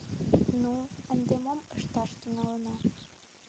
— Ну, ынде мом ышташ тӱҥалына?